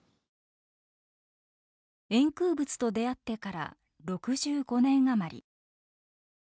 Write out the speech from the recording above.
円空仏と出会ってから６５年余り。